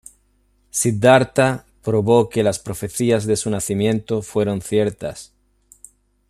Siddhartha probó que las profecías de su nacimiento fueron ciertas.